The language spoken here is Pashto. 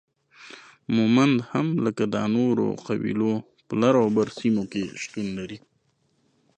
مومند هم لکه دا نورو قبيلو په لر او بر سیمو کې شتون لري